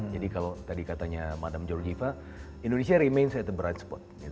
jadi kalau tadi katanya madam jorjiva indonesia remains at the bright spot